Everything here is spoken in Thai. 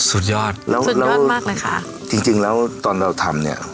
สุดยอดแล้วสุดมากเลยค่ะจริงจริงแล้วตอนเราทำเนี้ย